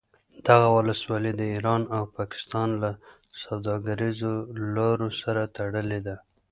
دغه ولسوالي د ایران او پاکستان له سوداګریزو لارو سره تړلې ده